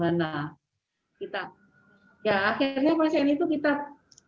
kalau tidak kita jelaskan ke pasien ini semua rumah sakit pun kita kirim